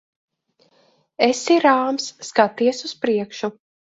Esi rāms. Skaties uz priekšu.